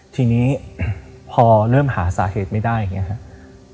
ทีนี้พอเริ่มหาสาเหตุไม่ได้อย่างนี้ครับ